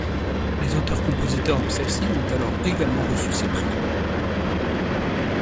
Les auteurs-compositeurs de celles-ci ont alors également reçu ces prix.